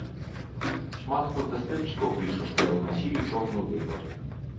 Шмат хто з даследчыкаў піша, што яны насілі чорную вопратку.